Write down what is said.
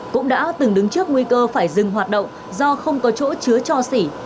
cũng đã từng đứng trước nguy cơ phải dừng hoạt động do không có chỗ chứa cho xỉ